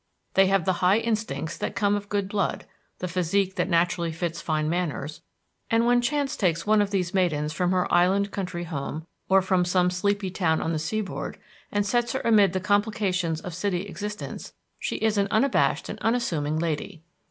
They have the high instincts that come of good blood, the physique that naturally fits fine manners; and when chance takes one of these maidens from her island country home or from some sleepy town on the sea board, and sets her amid the complications of city existence, she is an unabashed and unassuming lady.